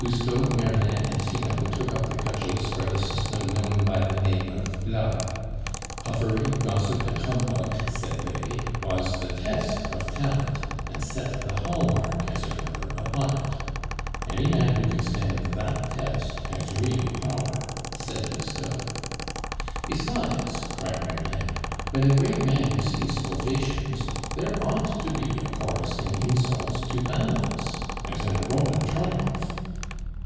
Lousteau, Merlin, and Finot took up the cudgels for the system known by the name of blague; puffery, gossip, and humbug, said they, was the test of talent, and set the hall mark, as it were, upon it. "Any man who can stand that test has real power," said Lousteau. "Besides," cried Merlin, "when a great man receives ovations, there ought to be a chorus in insults to balance, as in a Roman triumph."